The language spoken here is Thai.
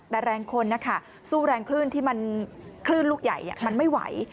แต่แรงคนสู้แรงขึ้นที่มันขึ้นลูกใหญ่มันไม่ไหว